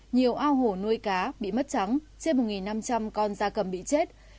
nhiều ao hồ nuôi cá bị mất trắng trên một năm trăm linh con da cầm bị chết